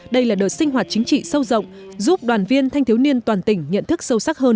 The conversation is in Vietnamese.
đây là đợt sinh hoạt chính trị sâu rộng giúp đoàn viên thanh thiếu niên toàn tỉnh nhận thức sâu sắc hơn